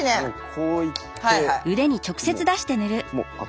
こういってもう。